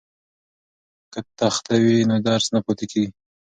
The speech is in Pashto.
که تخته وي نو درس نه پاتې کیږي.